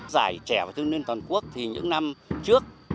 giải trẻ và thương niên toàn quốc thì những năm trước